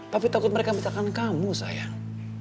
tapi takut mereka mecahkan kamu sayang